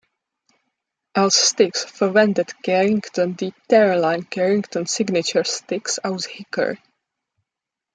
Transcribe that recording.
Als Sticks verwendet Carrington die "Terri-Lyne-Carrington-Signature"-Sticks aus Hickory.